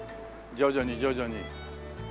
徐々に徐々に。